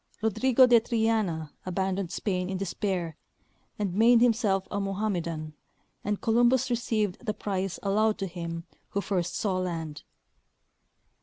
Rodrigo de Triana aban doned Spain in despair and made himself a Mohammedan, and Columbus received the prize allowed to him who first saw land.